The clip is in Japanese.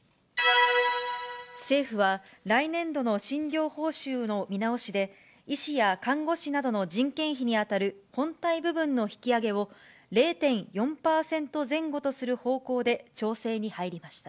政府は、来年度の診療報酬の見直しで、医師や看護師などの人件費に当たる本体部分の引き上げを、０．４％前後とする方向で、調整に入りました。